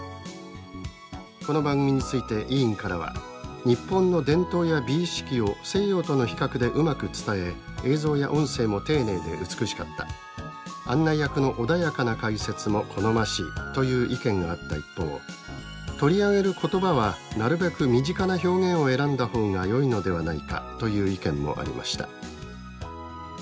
この番組について委員からは「日本の伝統や美意識を西洋との比較でうまく伝え映像や音声も丁寧で美しかった。案内役の穏やかな解説も好ましい」という意見があった一方「取り上げる言葉はなるべく身近な表現を選んだ方がよいのではないか」という意見もありました。